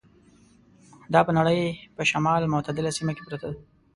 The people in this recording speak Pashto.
دا په نړۍ په شمال متعدله سیمه کې پرته ده.